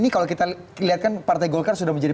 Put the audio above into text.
kalau kita lihatkan partai golkar sudah menjadi